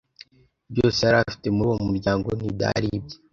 byose yari afite muri uwo muryango ntibyaribye